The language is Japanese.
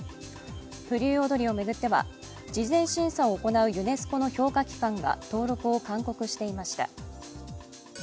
風流踊を巡っては事前審査を行うユネスコの評価機関が登録を勧告していました。